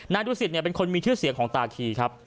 นารุสิทธิ์เนี่ยเป็นคนมีชื่อเสียของตาคีครับ